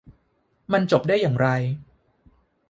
มันจบได้อย่างไร